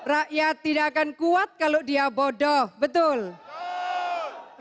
rakyat tidak akan kuat kalau dia bodoh betul